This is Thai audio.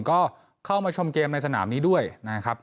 ก็เข้ามาชมเกมในสนามนี้ด้วยนะครับ